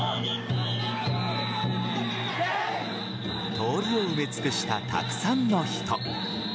通りを埋め尽くしたたくさんの人。